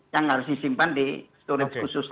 yang harus disimpan di storage khusus